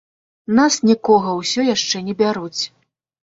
Нас, нікога, усё яшчэ не бяруць.